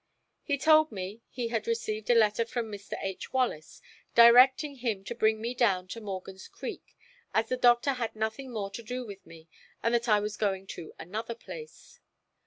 He told me he had received a letter from Mr. H. Wallace directing him to bring me down to Morgan's Creek, as the Doctor had nothing more to do with me and that I was going to another place.